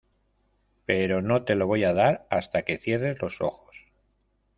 pero no te la voy a dar hasta que cierres los ojos.